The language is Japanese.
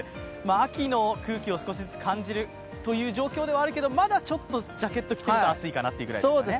秋の空気を少しずつ感じるという状況ではあるけど、まだちょっとジャケット着てると暑いかなという感じですかね。